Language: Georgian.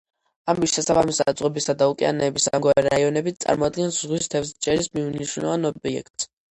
ამის შესაბამისად, ზღვებისა და ოკეანეების ამგვარი რაიონები წარმოადგენს ზღვის თევზჭერის მნიშვნელოვან ობიექტს.